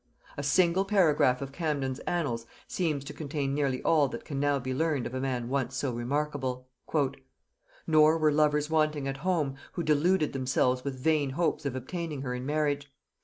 A single paragraph of Camden's Annals seems to contain nearly all that can now be learned of a man once so remarkable. "Nor were lovers wanting at home, who deluded themselves with vain hopes of obtaining her in marriage.